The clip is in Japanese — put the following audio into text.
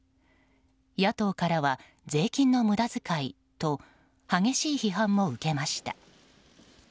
野党からは税金の無駄遣いと激しい批判も受けました。